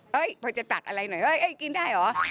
พอจะตักอะไรหน่อยเฮ้ยกินได้เหรอ